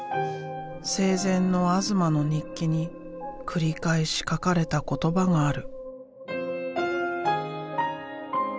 生前の東の日記に繰り返し書かれた言葉がある。